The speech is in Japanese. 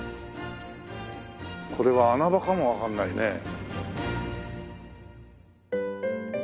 これは穴場かもわかんないね。